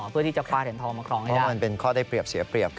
เพราะมันเป็นข้อได้เปรียบเสียเปรียบ